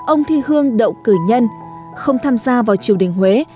ông thi hương đậu cử nhân không tham gia vào triều đình huế